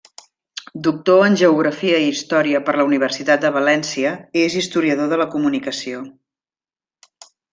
Doctor en Geografia i Història per la Universitat de València, és historiador de la comunicació.